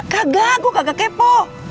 kagak gue kagak kepo